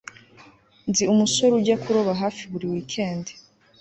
Nzi umusore ujya kuroba hafi buri wikendi